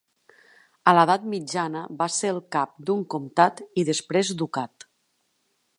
A l'edat mitjana va ser el cap d'un comtat i després ducat.